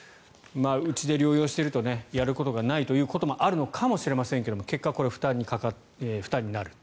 うちで療養しているとやることがないということもあるのかもしれませんが結果、こういう負担になる。